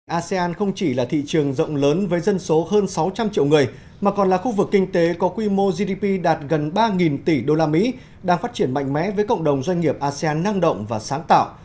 asean không chỉ là thị trường rộng lớn với dân số hơn sáu trăm linh triệu người mà còn là khu vực kinh tế có quy mô gdp đạt gần ba tỷ usd đang phát triển mạnh mẽ với cộng đồng doanh nghiệp asean năng động và sáng tạo